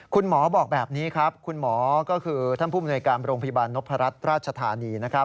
คุณหมอบอกแบบนี้ครับคุณหมอก็คือท่านผู้บริษัทโรงพยาบาลนพรรดิราชธานี